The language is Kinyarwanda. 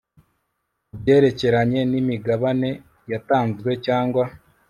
ku byerekeranye n imigabane yatanzwe cyangwa